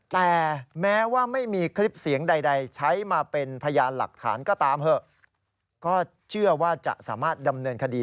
แต่แม้ว่าไม่มีคลิปเสียงใดใช้มาเป็นพยานหลักฐานก็ตาม